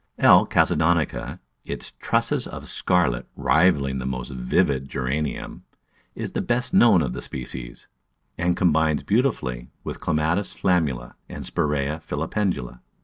L. Chalcedonica, its trusses of scarlet rivalling the most vivid Geranium, is the best known of the species, and combines beauti fully with Clematis flammula and Spiraea filipendula.